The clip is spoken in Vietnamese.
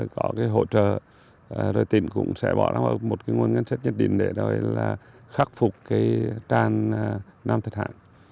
có hỗ trợ rồi tỉnh cũng sẽ bỏ ra một nguồn ngân sách nhất định để khắc phục tràn nam thạch hãn